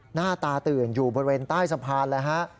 หน้าตาตื่นอยู่บริเวณใต้สะพานเลยฮะ